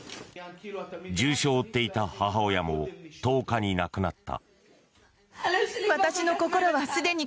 重傷を負っていた母親も１０日に亡くなった。